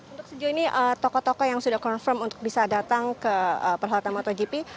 untuk sejauh ini tokoh tokoh yang sudah confirm untuk bisa datang ke perhelatan motogp